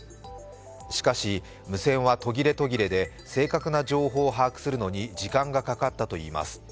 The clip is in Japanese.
しかし、無線は途切れ途切れで正確な情報を把握するのに時間がかかったといいます